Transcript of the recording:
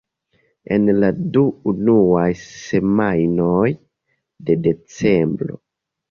En la du unuaj semajnoj de Decembro.